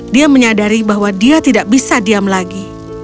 dia menyadari bahwa dia tidak bisa diam lagi